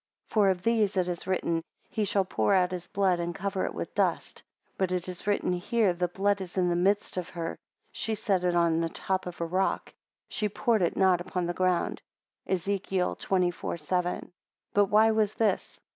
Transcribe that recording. For of these it is written, He shall pour out his blood, and cover it with dust. But it is written here, The blood is in the midst of her: she set it upon the top of a rock; she poured it not upon the ground. (Ezek. xxiv. 7.) But why was this?